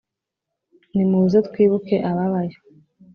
nimuze, twibuke ababayo :